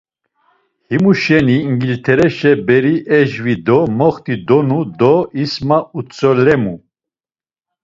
Himuşeni İngiltereşe beri ejvi do moxt̆i donu do İsma utzolemi?